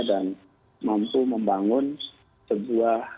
dan mampu membangun sebuah